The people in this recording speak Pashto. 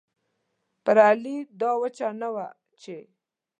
پر علي دا وچه نه وه چې